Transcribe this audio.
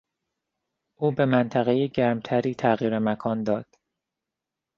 او به منطقهی گرمتری تغییر مکان داد.